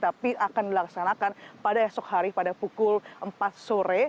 tapi akan dilaksanakan pada esok hari pada pukul empat sore